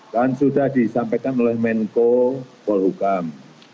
dan sudah disampaikan oleh menko polhukam